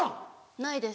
ないです。